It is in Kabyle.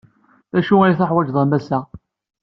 D acu ay teḥwajeḍ a Massa?